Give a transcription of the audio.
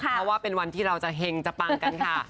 เพราะว่าเป็นวันที่เราจะเห็งจะปังกันค่ะ